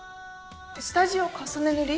下地を重ね塗り？